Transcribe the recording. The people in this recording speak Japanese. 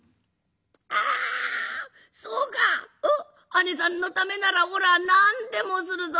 あねさんのためならおら何でもするぞ。